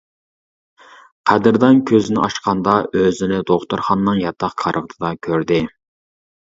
قەدىردان كۆزىنى ئاچقاندا ئۆزىنى دوختۇرخانىنىڭ ياتاق كارىۋىتىدا كۆردى.